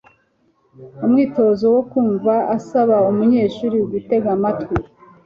Umwitozo wo kumva usaba umunyeshuri gutega amatwi